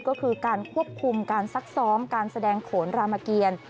ก็คือการควบคุมการซักซ้อมการแสดงโขนรามเกียร